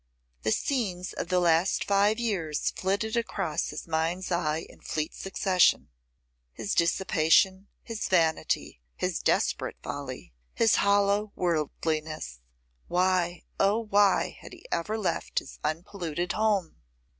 The scenes of the last five years flitted across his mind's eye in fleet succession; his dissipation, his vanity, his desperate folly, his hollow worldliness. Why, oh! why had he ever left his unpolluted home?